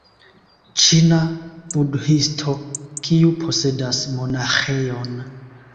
Ĉina budhisto, kiu posedas monaĥejon